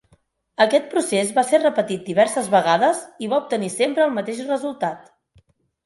Aquest procés va ser repetit diverses vegades, i va obtenir sempre el mateix resultat.